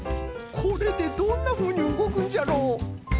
これでどんなふうにうごくんじゃろう？